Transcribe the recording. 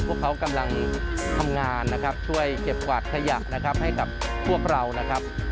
พวกเขากำลังทำงานนะครับช่วยเก็บกวาดขยะนะครับให้กับพวกเรานะครับ